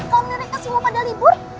kalau mereka semua pada libur